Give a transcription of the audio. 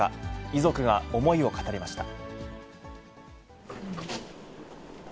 遺族が思いを語りました。